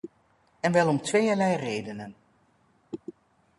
En wel om tweeërlei redenen.